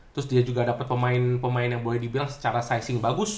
terus dia juga dapat pemain pemain yang boleh dibilang secara sing bagus